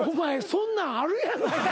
そんなんあるやないか。